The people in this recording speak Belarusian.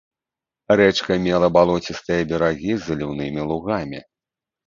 Рэчка мела балоцістыя берагі з заліўнымі лугамі.